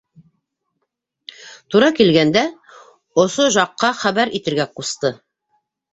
Тура килгәндә осо жаҡҡа хәбәр итергә ҡусты.